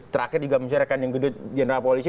terakhir juga menyerahkan yang kedua general polisi